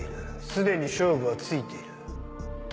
すでに勝負はついている。